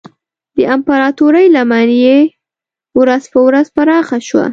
د امپراتورۍ لمن یې ورځ په ورځ پراخه شوه.